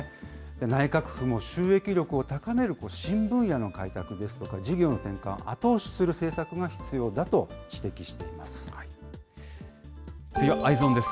内閣府も収益力を高める新分野の開拓ですとか、事業の転換を後押しする政策が必要だと指摘しています。